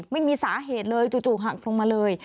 ไม่มีสาเหตุเลยจู่หักลงมาเลย